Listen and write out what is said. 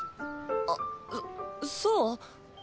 あっそそう？